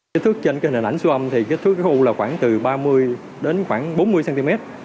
cái thước trên hình ảnh xô âm thì cái thước khối u là khoảng từ ba mươi đến khoảng bốn mươi cm